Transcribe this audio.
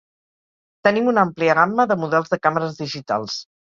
Tenim una àmplia gamma de models de càmeres digitals.